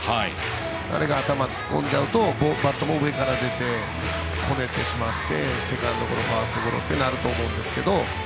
あれが頭突っ込んじゃうとバットの上から出てこねてしまってセカンドゴロ、ファーストゴロになると思いますが。